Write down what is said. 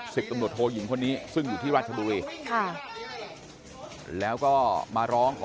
สิบตำรวจโทยิงคนนี้ซึ่งอยู่ที่ราชบุรีค่ะแล้วก็มาร้องขอ